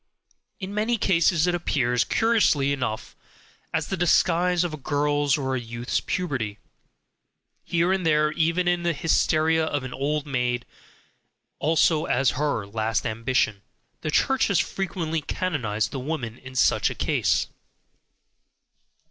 In many cases it appears, curiously enough, as the disguise of a girl's or youth's puberty; here and there even as the hysteria of an old maid, also as her last ambition. The Church has frequently canonized the woman in such a case.